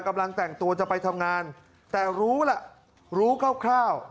กำลังแต่งตัวจะไปทำงานแต่รู้ล่ะรู้คร่าว